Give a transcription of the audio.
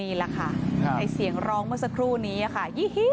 นี่แหละค่ะไอ้เสียงร้องเมื่อสักครู่นี้ค่ะ